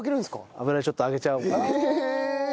油でちょっと揚げちゃおうかなと。